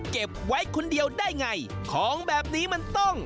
เก็บไว้คนเดียวได้ไงของแบบนี้มันต้อง